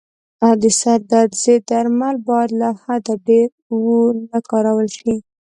د سردرد ضد درمل باید له حده ډېر و نه کارول شي.